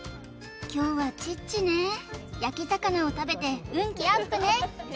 凶はチッチね焼き魚を食べて運気アップね